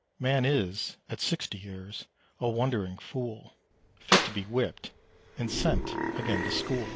Man is, at sixty years, a wondering fool, Fit to be whipped, and sent again to school.